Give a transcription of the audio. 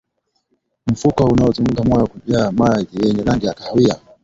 Mfuko unaozunguka moyo kujaa maji yenye rangi ya kahawia